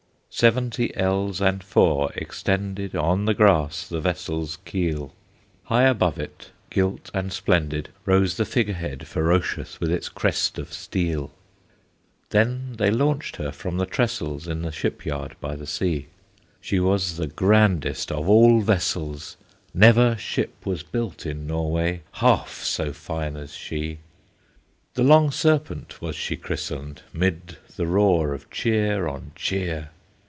Seventy ells and four extended On the grass the vessel's keel; High above it, gilt and splendid, Rose the figure head ferocious With its crest of steel. Then they launched her from the tressels, In the ship yard by the sea; She was the grandest of all vessels, Never ship was built in Norway Half so fine as she! The Long Serpent was she christened, 'Mid the roar of cheer on cheer!